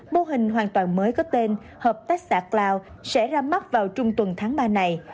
mô hình hoàn toàn mới có tên hợp tác xã cloud sẽ ra mắt vào trung tuần tháng ba này